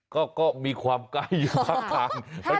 ก็มีความใกล้อยู่ภาคกลาง